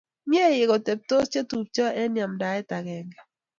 Myee koteptos chetupcho eng' amndaet akenge.